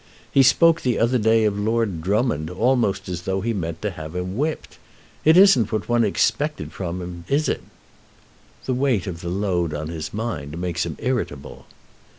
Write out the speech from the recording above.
He spoke the other day of Lord Drummond almost as though he meant to have him whipped. It isn't what one expected from him; is it?" "The weight of the load on his mind makes him irritable."